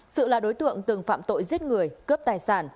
sự là đối tượng từng phạm tội giết người cướp tài sản